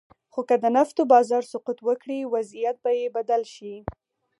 خو که د نفتو بازار سقوط وکړي، وضعیت به یې بدل شي.